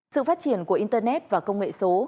sự phát triển của internet và công nghệ số